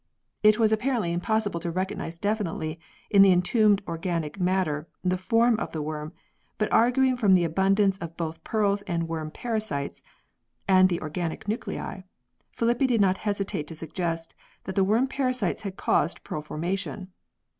It was apparently impossible to recognise definitely in the entombed organic matter the form of the worm, but arguing from the abundance of both pearls and worm parasites (and the organic nuclei) Filippi did not hesitate to suggest that the worm parasites had caused pearl formation.